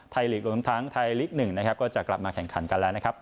ไทยลีกลงทางไทยลีก๑ก็จะกลับมาแข่งขันกันแล้วนะครับ